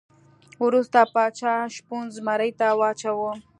وروسته پاچا شپون زمري ته واچاوه.